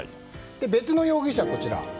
別の容疑者はこちら。